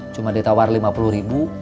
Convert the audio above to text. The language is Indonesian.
cuma ditawar lima puluh ribu